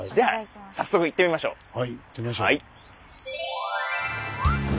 はい行ってみましょう。